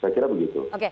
saya kira begitu